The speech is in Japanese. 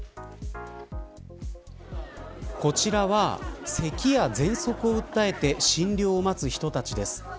こちらは、せきやぜんそくを訴えて診療を待つ人たちです。